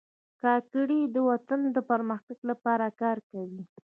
کاکړي د وطن د پرمختګ لپاره کار کوي.